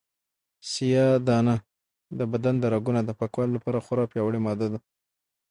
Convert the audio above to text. سیاه دانه د بدن د رګونو د پاکوالي لپاره خورا پیاوړې ماده ده.